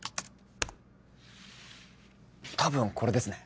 多分これですね。